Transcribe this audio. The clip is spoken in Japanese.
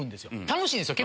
楽しいんですよ